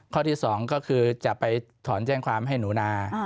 ข้อที่๒ก็คือจะไปถอนแจ้งความให้หนูนา